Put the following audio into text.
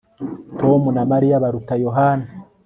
Tom na Mariya baruta Yohana